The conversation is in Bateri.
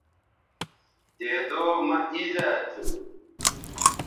دیدو مہ اِیزا تھو